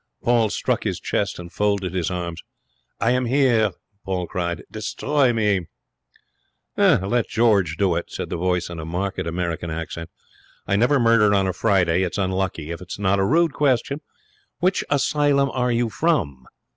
Paul struck his chest and folded his arms. 'I am here,' he cried. 'Destroy me!' 'Let George do it,' said the voice, in a marked American accent. 'I never murder on a Friday; it's unlucky. If it's not a rude question, which asylum are you from?